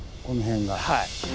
この辺が。